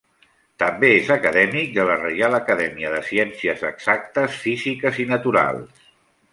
També és acadèmic de la Reial Acadèmia de Ciències Exactes, Físiques i Naturals.